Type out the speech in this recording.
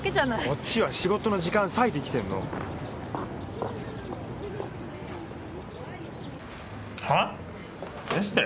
こっちは仕事の時間割いて来てんの！はエステ？